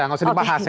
nggak usah dibahas